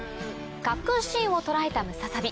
滑空シーンを捉えたムササビ。